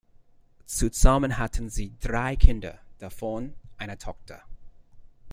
Zusammen hatten sie drei Kinder, davon eine Tochter.